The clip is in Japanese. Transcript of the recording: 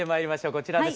こちらです。